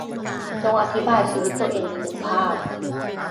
จงอธิบายชีวิตตัวเองในหนึ่งภาพ